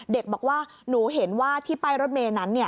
เด็กบอกว่าหนูเห็นว่าที่ป้ายรถเมย์นั้น